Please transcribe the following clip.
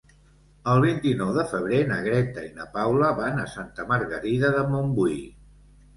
El vint-i-nou de febrer na Greta i na Paula van a Santa Margarida de Montbui.